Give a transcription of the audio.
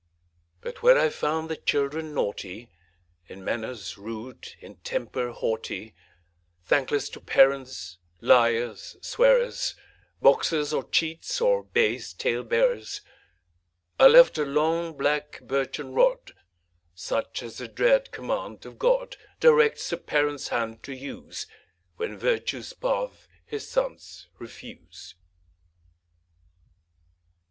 But where I found the children naughty, In manners rude, in temper haughty, Thankless to parents, liars, swearers, Boxers, or cheats, or base tale bearers, I left a long, black, birchen rod, Such as the dread command of God Directs a Parent's hand to use When virtue's path his sons refuse.